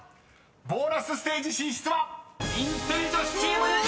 ［ボーナスステージ進出はインテリ女子チームに決定！］